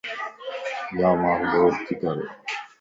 يا مانک بورتي ڪري